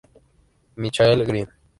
Michael Green